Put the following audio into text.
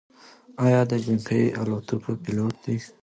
ایا ده د جنګي الوتکو پیلوټ دی؟